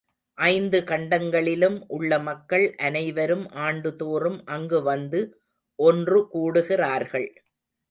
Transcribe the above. ஐந்து கண்டங்களிலும் உள்ள மக்கள் அனைவரும் ஆண்டுதோறும் அங்கு வந்து ஒன்று கூடுகிறார்கள்.